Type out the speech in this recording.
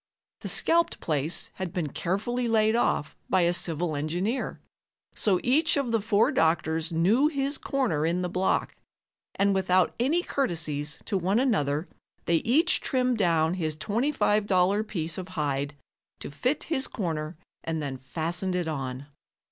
The scalped place had been carefully laid off by a civil engineer, so each of the four doctors knew his corner in the block, and without any courtesies to one another they each trimmed down his $25 piece of hide to fit his corner and then fastened it on.